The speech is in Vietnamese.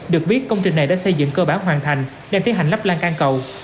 được viết công trình này đã xây dựng cơ bản hoàn thành nên thiết hành lắp lan can cầu